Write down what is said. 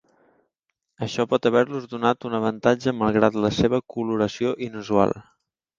Això pot haver-los donat un avantatge malgrat la seva coloració inusual.